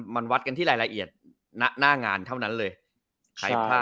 มันวัดกันที่รายละเอียดหน้างานเท่านั้นเลย